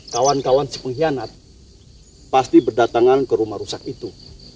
kawan kawan se pengkhianat pasti berdatangan ke rumah rusak itu